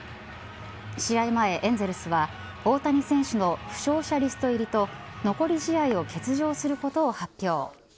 試合前エンゼルスは大谷選手の負傷者リスト入りと残り試合を欠場することを発表。